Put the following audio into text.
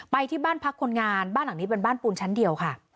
ไปที่บ้านพักคนงานบ้านหลังนี้เป็นบ้านปูนชั้นเดียวค่ะ